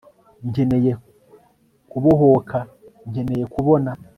nkeneye kubohoka; nkeneye kubona